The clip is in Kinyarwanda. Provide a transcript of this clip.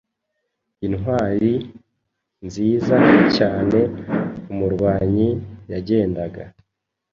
Intwali-nziza cyane umurwanyi yagendaga